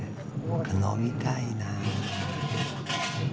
飲みたいなあ。